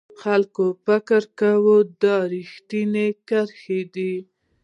خلک فکر کوي دا ریښتینې کرښې دي.